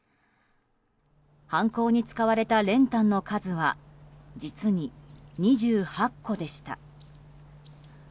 犯行に使われた練炭の数は実に２８個でした。